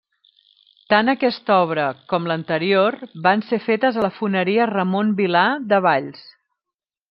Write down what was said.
Tant aquesta obra com l'anterior van ser fetes a la Foneria Ramon Vilà, de Valls.